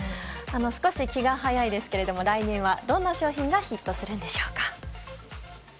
少し気が早いですが来年はどんな商品がヒットするんでしょうか。